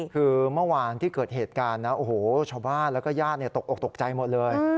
คือเมื่อวานที่เกิดเหตุการณ์นะโอ้โหชาวบ้านแล้วก็ญาติตกออกตกใจหมดเลย